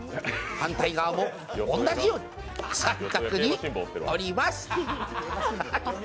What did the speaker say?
反対側もおんなじように三角に折ります。